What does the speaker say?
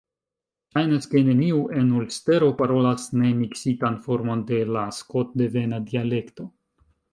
Ŝajnas, ke neniu en Ulstero parolas nemiksitan formon de la skotdevena dialekto.